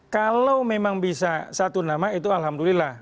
kalau memang bisa satu nama itu alhamdulillah